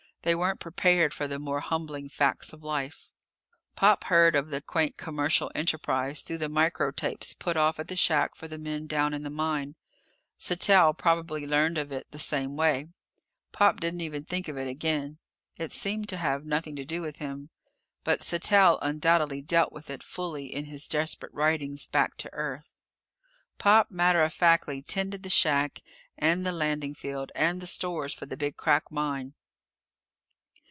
They weren't prepared for the more humbling facts of life. Pop heard of the quaint commercial enterprise through the micro tapes put off at the shack for the men down in the mine. Sattell probably learned of it the same way. Pop didn't even think of it again. It seemed to have nothing to do with him. But Sattell undoubtedly dealt with it fully in his desperate writings back to Earth. Pop matter of factly tended the shack and the landing field and the stores for the Big Crack mine.